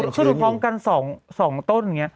เกื้อบพร้อมกัน๒ต้นอย่างนี้